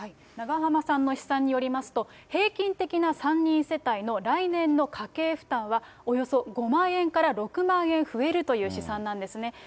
永濱さんの試算によりますと、平均的な３人世帯の来年の家計負担は、およそ５万円から６万円増えるという試算なんですね。